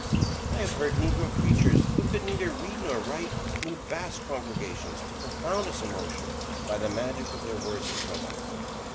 I have heard negro preachers who could neither read nor write, move vast congregations to profoundest emotion by the magic of their words and presence.